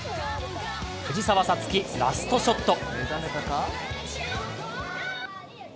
藤澤五月、ラストショット。